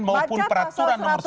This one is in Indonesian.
maupun peraturan nomor sebelas